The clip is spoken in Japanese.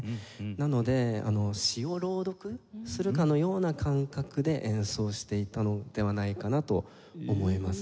なので詩を朗読するかのような感覚で演奏していたのではないかなと思いますね。